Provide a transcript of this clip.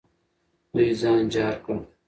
دوی ځان جار کړ.